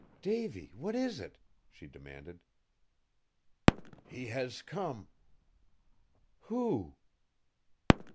"Davy, what is it?" she demanded. "He has come!" "Who?"